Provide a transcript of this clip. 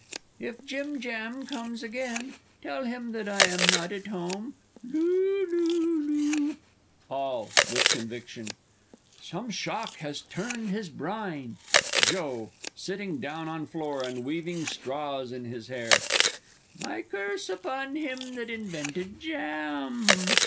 if Jim Jam comes again, tell him that I am not at home. Loo loo loo! All (with conviction). Some shock has turned his brine! Joe (sitting down on floor, and weaving straws in his hair.) My curse upon him that invented jam.